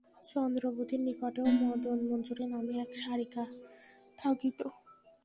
চন্দ্রাবতীর নিকটেও মদনমঞ্জরী নামে এক শারিকা থাকিত।